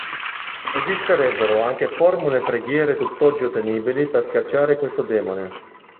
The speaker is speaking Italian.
Esisterebbero anche formule e preghiere tutt'oggi ottenibili per scacciare questo demone.